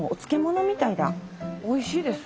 おいしいです。